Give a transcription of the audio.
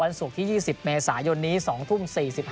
ศุกร์ที่๒๐เมษายนนี้๒ทุ่ม๔๕